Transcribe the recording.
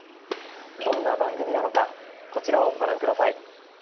どんな番組なのかこちらをご覧下さい。